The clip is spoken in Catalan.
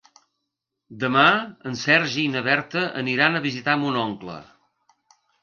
Demà en Sergi i na Berta aniran a visitar mon oncle.